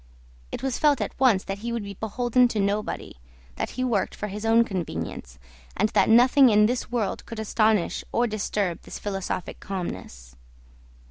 It was felt at once that he would be beholden to nobody, that he worked for his own convenience, and that nothing in this world could astonish or disturb his philosophic calmness.